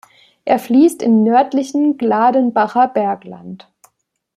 Er fließt im nördlichen Gladenbacher Bergland.